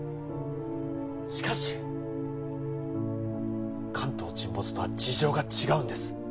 しかし関東沈没とは事情が違うんです